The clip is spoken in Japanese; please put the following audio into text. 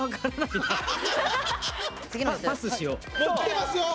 きてますよ！